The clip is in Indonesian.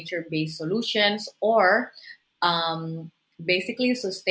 berfokus pada solusi berdasarkan alam semesta